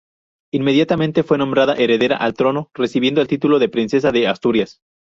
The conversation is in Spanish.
Inmediatamente fue nombrada heredera al trono, recibiendo el título de Princesa de Asturias.